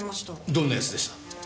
どんな奴でした？